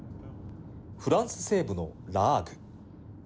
フランス西部のラアーグ。